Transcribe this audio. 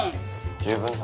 十分だ。